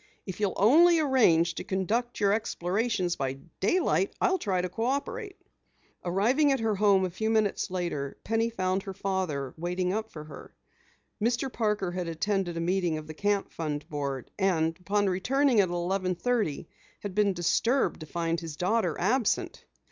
"If you'll only arrange to conduct your explorations by daylight I'll try to cooperate." Arriving at her own home a few minutes later, Penny found her father waiting up for her. Mr. Parker had attended a meeting of the Camp Fund board, and upon returning at eleven thirty, had been disturbed to find his daughter absent.